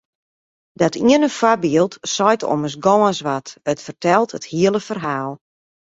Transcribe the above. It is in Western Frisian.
Dat iene foarbyld seit ommers gâns wat, it fertelt it hiele ferhaal.